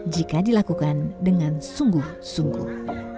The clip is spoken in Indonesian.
jika dilakukan dengan sungguh sungguh